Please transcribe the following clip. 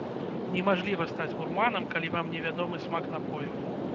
Немажліва стаць гурманам, калі вам невядомы смак напою.